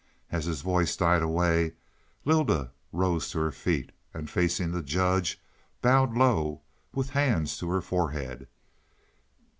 As his voice died away, Lylda rose to her feet and facing the judge bowed low, with hands to her forehead.